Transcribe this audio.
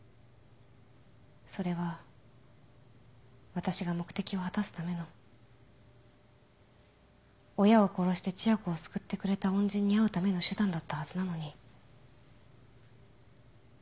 それは私が目的を果たすための親を殺して千夜子を救ってくれた恩人に会うための手段だったはずなのに